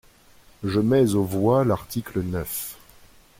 Je mets aux voix l’article neuf.